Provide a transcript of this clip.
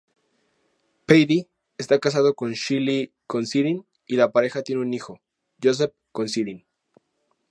Paddy está casado con Shelley Considine, y la pareja tiene un hijo, Joseph Considine.